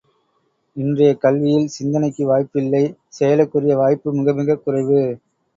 இன்றைய கல்வியில் சிந்தனைக்கு வாய்ப்பில்லை செயலுக்குரிய வாய்ப்பு மிக மிகக் குறைவு.